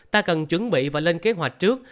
ta cần chuẩn bị và lên kế hoạch trước